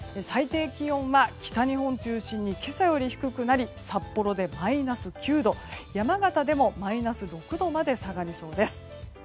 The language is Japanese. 最低気温は北日本を中心に今朝より低くなり札幌でマイナス９度山形でもマイナス６度まで下がりそうです。